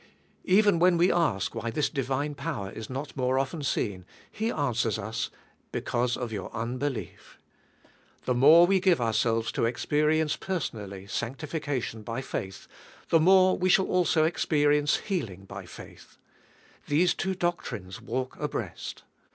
Even when we ask why this divine power is not more often seen, He answers us: "Because of your unbelief." The more we give ourselves to experience personal ly swnct'ifieatiion by faith, the more we sliiill also experience healing by faith. Ifcese two doctrines walk abreast.